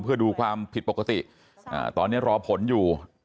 เพื่อดูความผิดปกติตอนนี้รอผลอยู่